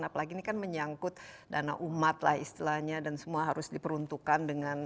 apalagi ini kan menyangkut dana umat lah istilahnya dan semua harus diperuntukkan dengan